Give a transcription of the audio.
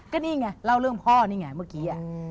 ก็นี่ไงเล่าเรื่องพ่อนี่ไงเมื่อกี้